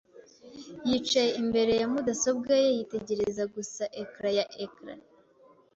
yicaye imbere ya mudasobwa ye yitegereza gusa ecran ya ecran.